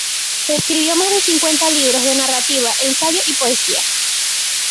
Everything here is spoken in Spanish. Escribió más de cincuenta libros de narrativa, ensayo y poesía.